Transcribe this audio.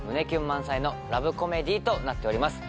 満載のラブコメディーとなっております